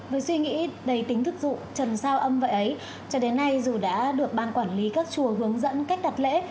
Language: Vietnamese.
với suy nghĩ đầy tính thức dụ trần sao âm vậy ấy cho đến nay dù đã được ban quản lý các chùa hướng dẫn cách đặt lễ